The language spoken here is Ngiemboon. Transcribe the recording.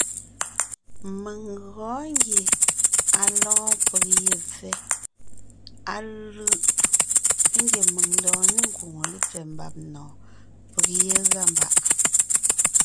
Mèŋ gɔɔn ngie à lɔ́ɔn peg ye pfɛ́, á lʉ̂ʼ ngie mèŋ ńdɔɔn ne ńkwóŋo lépfɛ́ mbàb nɔ̀ɔn, peg yé gʉa mbàʼ.